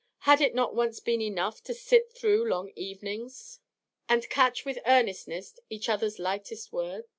Had it not once been enough to sit through long evenings and catch with eagerness each other's lightest word?